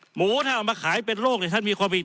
หมูถ้าเอามาขายเป็นโรคท่านมีความผิด